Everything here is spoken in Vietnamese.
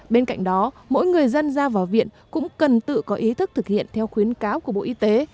bên cạnh đó mỗi người dân ra vào viện cũng cần tự có ý thức thực hiện theo khuyến cáo của bộ y tế